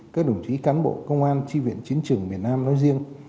các đồng chí cán bộ công an tri viện chiến trường miền nam nói riêng